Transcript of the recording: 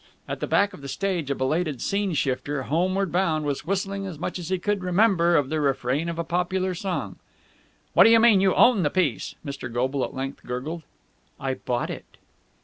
At the back of the stage, a belated scene shifter, homeward bound, was whistling as much as he could remember of the refrain of a popular song. "What do you mean you own the piece?" Mr. Goble at length gurgled. "I bought it."